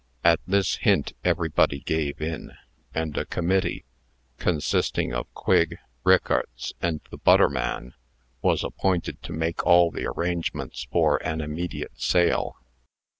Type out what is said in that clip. At this hint, everybody gave in; and a committee, consisting of Quigg, Rickarts, and the butter man, was appointed to make all the arrangements for an immediate sale.